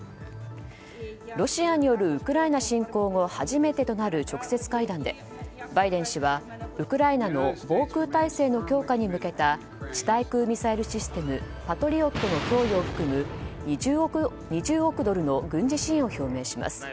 ロシアによるウクライナ侵攻後初めてとなる直接会談で、バイデン氏はウクライナの防空体制の強化に向けた地対空ミサイルシステムパトリオットの供与を含む２０億ドルの軍事支援を表明します。